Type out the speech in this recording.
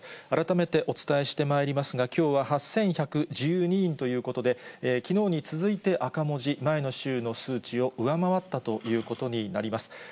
改めてお伝えしてまいりますが、きょうは８１１２人ということで、きのうに続いて赤文字、前の週の数値を上回ったということになります。